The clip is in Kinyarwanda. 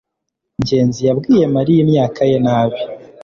ngenzi yabwiye mariya imyaka ye nabi